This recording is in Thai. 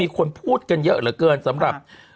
คนพูดกันเยอะเหลือเกินสำหรับ